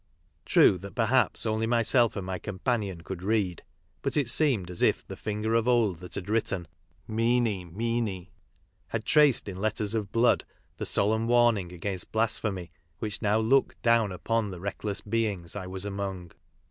True that perhaps only myself and my companion could read, but it seemed as if the finger of old that had written " Mene, mene," had traced in letters of blood the solemn warning against blasphemy which now looked down upon the reckless beings I was among.